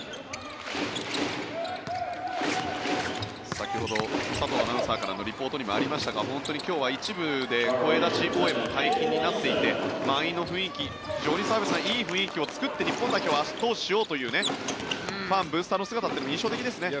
先ほど佐藤アナウンサーからのリポートもありましたが本当に今日は一部で声出し応援も解禁になってきて満員の雰囲気非常にいい雰囲気を作って後押しをしようというファンの姿も印象的ですね。